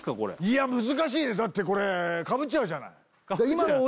いや難しいねだってこれかぶっちゃうじゃない